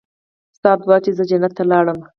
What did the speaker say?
ستا دعا ده چې زه جنت ته لاړم.